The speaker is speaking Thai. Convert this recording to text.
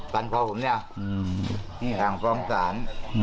ฟันคอผมเนี่ยมีทางฟร้องสาร